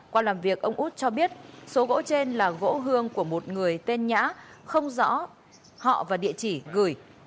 qua làm việc ông út cho biết số gỗ trên là gỗ hương của một người tên nhã không rõ họ và địa chỉ gửi